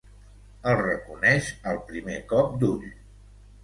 El reconeix al primer cop d'ull.